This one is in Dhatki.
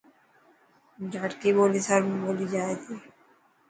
ڌاٽڪي ٻولي ٿر۾ ٻولي جائي ٿي.